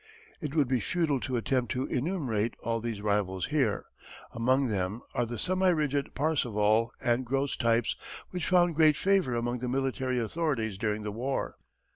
It would be futile to attempt to enumerate all these rivals here. Among them are the semi rigid Parseval and Gross types which found great favour among the military authorities during the war.